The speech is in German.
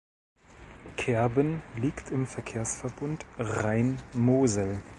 Kerben liegt im Verkehrsverbund Rhein-Mosel.